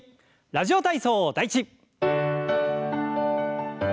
「ラジオ体操第１」。